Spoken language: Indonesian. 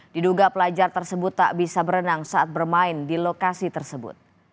diduga pelajar tersebut tak bisa berenang saat bermain di lokasi tersebut